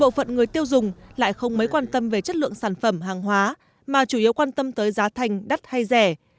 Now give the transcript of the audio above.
bộ phận người tiêu dùng lại không mấy quan tâm về chất lượng sản phẩm hàng hóa mà chủ yếu quan tâm tới giá thành đắt hay rẻ